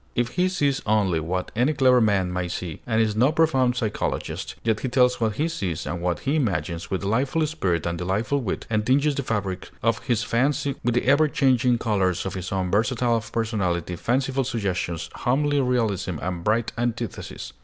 If he sees only what any clever man may see, and is no profound psychologist, yet he tells what he sees and what he imagines with delightful spirit and delightful wit, and tinges the fabric of his fancy with the ever changing colors of his own versatile personality, fanciful suggestions, homely realism, and bright antithesis.